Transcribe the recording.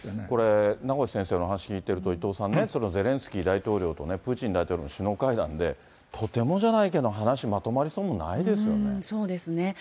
これ、名越先生の話聞いてると、伊藤さんね、ゼレンスキー大統領とプーチン大統領の首脳会談で、とてもじゃないけど、話まとまりそうもないですよね。